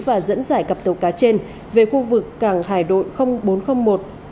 và dẫn dải cặp tổ cá trên về khu vực càng hải đội bốn trăm linh một